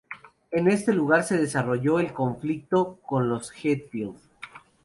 En este lugar se desarrolló el conflicto con los Hatfield.